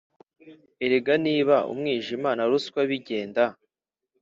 erega niba umwijima na ruswa bigenda